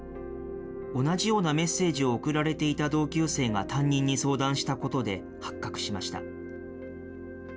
同じようなメッセージを送られていた同級生が担任に相談したことで、発覚しました。